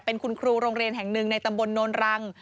เป็นคุณครูโรงเรียนแห่งหนึ่งในตำบลโนนรัง